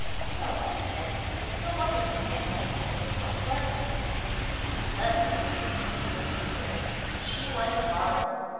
"Well," I said, "no wonder your grandmother became so clever." "Clever," repeated King Harry, "she was a marvel.